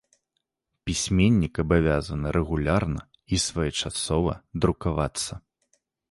Пісьменнік абавязаны рэгулярна і своечасова друкавацца.